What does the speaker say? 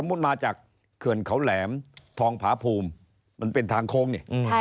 ทำบุ๊ตมาจากเคือนเขาแหลมธองผภูมิมันเป็นทางโค้งเนี่ย